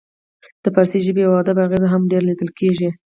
د فارسي ژبې او ادب اغیزه هم ډیره لیدل کیږي